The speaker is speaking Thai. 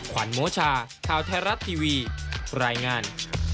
ขวัญโมชาข่าวไทยรัฐทีวีรายงาน